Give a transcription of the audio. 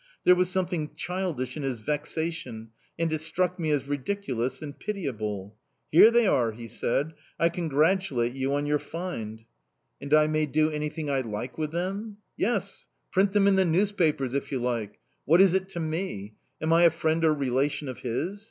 There was something childish in his vexation, and it struck me as ridiculous and pitiable... "Here they are," he said. "I congratulate you on your find!"... "And I may do anything I like with them?" "Yes, print them in the newspapers, if you like. What is it to me? Am I a friend or relation of his?